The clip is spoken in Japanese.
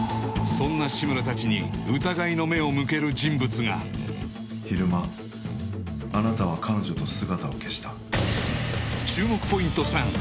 そんな志村達に疑いの目を向ける人物が昼間あなたは彼女と姿を消した注目ポイント